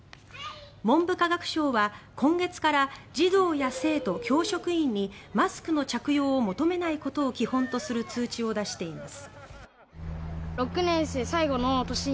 文部科学省は今月から児童や生徒、教職員にマスクの着用を求めないことを基本とする通知を出しています。